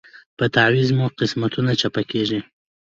په تعویذ مو قسمتونه چپه کیږي